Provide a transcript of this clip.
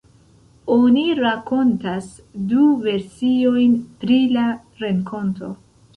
Oni rakontas du versiojn pri la renkonto.